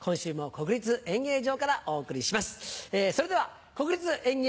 国立演芸場